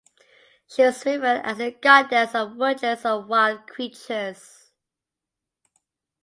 She was revered as the goddess of woodlands and wild creatures.